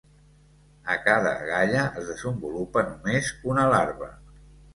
A cada agalla es desenvolupa només una larva.